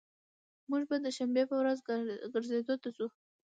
موږ به د شنبي په ورځ ګرځیدو ته ځو